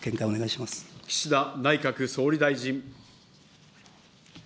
岸田内閣総理大臣。